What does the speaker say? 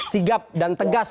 sigap dan tegas